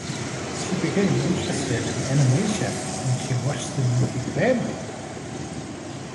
She became interested in animation when she watched the movie "Bambi".